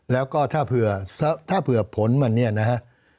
แล้วก็ถ้าเผื่อผลมันเนี่ยนะฮะ